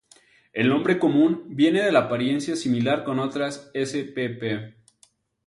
El nombre común viene de la apariencia similar con otras spp.